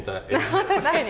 確かに。